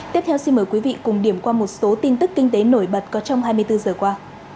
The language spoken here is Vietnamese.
tiếp theo xin mời quý vị cùng điểm qua một số tin tức kinh tế nổi bật có trong hai mươi bốn giờ qua